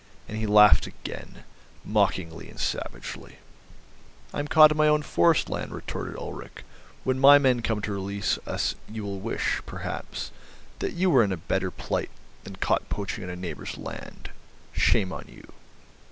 And he laughed again, mockingly and savagely. "I'm caught in my own forest land," retorted Ulrich. "When my men come to release us you will wish, perhaps, that you were in a better plight than caught poaching on a neighbour's land, shame on you."